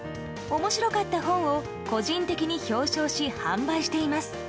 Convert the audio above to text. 面白かった本を個人的に表彰し販売しています。